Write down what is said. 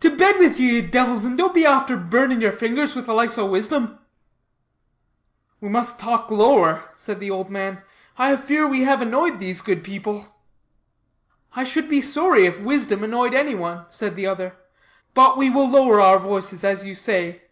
To bed with ye, ye divils, and don't be after burning your fingers with the likes of wisdom." "We must talk lower," said the old man; "I fear we have annoyed these good people." "I should be sorry if wisdom annoyed any one," said the other; "but we will lower our voices, as you say.